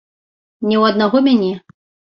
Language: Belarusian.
Не ў аднаго мяне.